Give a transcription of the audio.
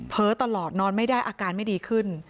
ตลอดนอนไม่ได้อาการไม่ดีขึ้น